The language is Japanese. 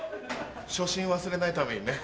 初心忘れないためにね。